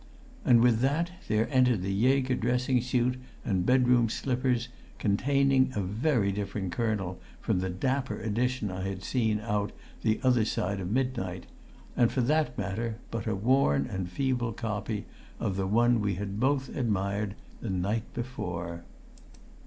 And with that there entered the Jaeger dressing suit and bedroom slippers, containing a very different colonel from the dapper edition I had seen out on the other side of midnight, and for that matter but a worn and feeble copy of the one we had both admired the night before.